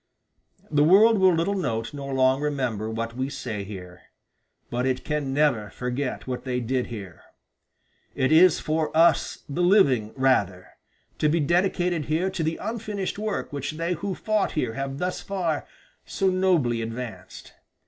The world will little note nor long remember what we say here, but it can never forget what they did here. It is for us, the living, rather, to be dedicated here to the unfinished work which they who fought here have thus far so nobly advanced.